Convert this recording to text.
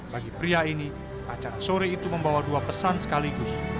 bagi pria ini acara sore itu membawa dua pesan sekaligus